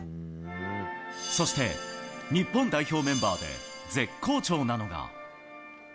そして、日本代表メンバーで絶好調なのが。